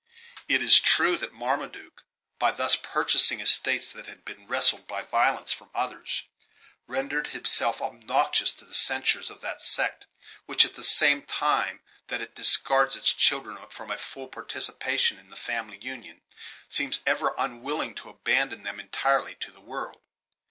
It is true that Marmaduke, by thus purchasing estates that had been wrested by violence from others, rendered himself obnoxious to the censures of that Sect which, at the same time that it discards its children from a full participation in the family union, seems ever unwilling to abandon them entirely to the world.